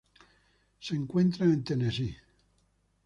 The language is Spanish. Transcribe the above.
Se encuentran en Tennessee.